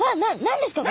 何ですか？